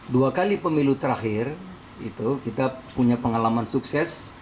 dua kali pemilu terakhir itu kita punya pengalaman sukses